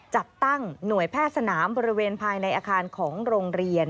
จัดตั้งหน่วยแพทย์สนามบริเวณภายในอาคารของโรงเรียน